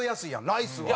ライスは。